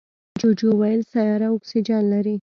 جوجو وویل سیاره اکسیجن لري.